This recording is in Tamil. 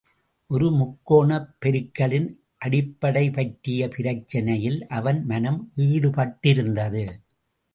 ஒரு முக்கோணப் பெருக்கலின் அடிப்படைபற்றிய பிரச்சினையில் அவன் மனம் ஈடுபட்டிருந்தது.